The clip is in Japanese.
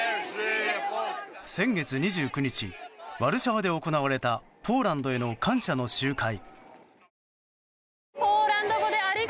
先月２９日ワルシャワで行われたポーランドへの感謝の集会。